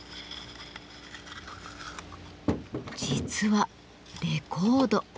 実はレコード。